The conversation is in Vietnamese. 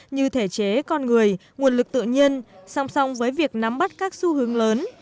như thể chế con người nguồn lực tự nhiên song song với việc nắm bắt các xu hướng lớn